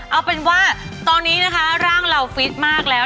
เอาเป็นว่าตอนนี้นะคะร่างเราฟิตมากแล้ว